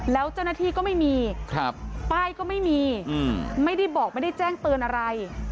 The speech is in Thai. แล้วเจ้าหน้าที่ก็ไม่มีป้ายก็ไม่มีไม่ได้บอกไม่ได้แจ้งเตือนอะไร